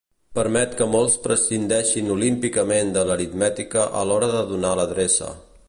Permet que molts prescindeixen olímpicament de l'aritmètica a l'hora de donar l'adreça.